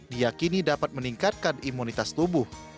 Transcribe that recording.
diakini dapat meningkatkan imunitas tubuh